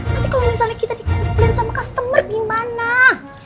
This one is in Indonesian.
nanti kalo misalnya kita dikumpulin sama customer gimana